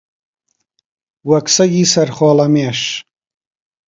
وەک سەگی سەر خۆڵەمێش